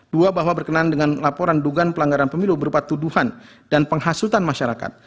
dua bahwa berkenaan dengan laporan dugaan pelanggaran pemilu berupa tuduhan dan penghasutan masyarakat